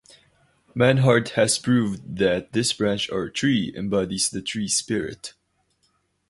Mannhardt has proved that this branch or tree embodies the tree-spirit.